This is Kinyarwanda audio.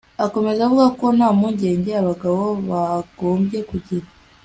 akomeza avuga ko nta mpungenge abagabo bagombye kugira